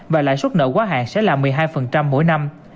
và lãi suất nợ quá hạn sẽ là một mươi hai mỗi năm